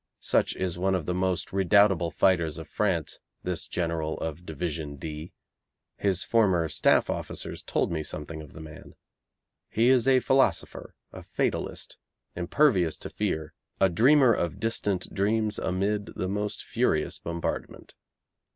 Such is one of the most redoubtable fighters of France, this General of Division D. His former staff officers told me something of the man. He is a philosopher, a fatalist, impervious to fear, a dreamer of distant dreams amid the most furious bombardment.